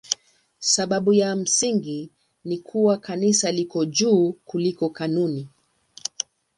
Sababu ya msingi ni kuwa Kanisa liko juu kuliko kanuni.